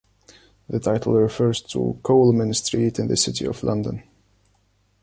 The title refers to Coleman Street in the City of London.